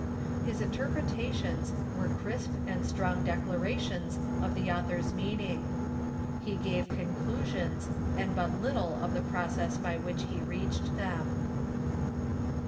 His interpretations were crisp and strong declarations of the author's meaning. He gave conclusions, and but little of the process by which he reached them.